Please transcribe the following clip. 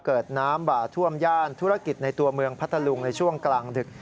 เกิดน้ำบ่าท่วมย่านธุรกิจในตัวเมืองพัทธลุงในช่วงกลางดึก